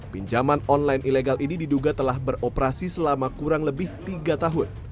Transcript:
pinjaman online ilegal ini diduga telah beroperasi selama kurang lebih tiga tahun